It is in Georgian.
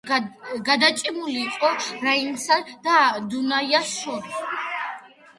გადაჭიმული იყო რაინსა და დუნაის შორის.